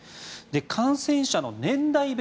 感染者の年代別